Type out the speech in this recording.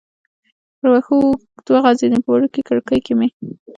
پر وښو اوږد وغځېدم، په وړوکې کړکۍ کې مې.